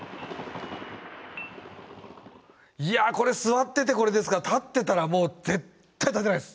いやこれ座っててこれですから立ってたらもう絶対立てないです。